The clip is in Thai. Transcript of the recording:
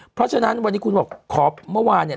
เพราะฉะนั้นวันนี้คุณบอกขอเมื่อวานเนี่ย